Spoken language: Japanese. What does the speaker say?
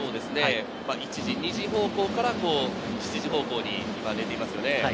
１時、２時方向から７時方向に寝ていますね。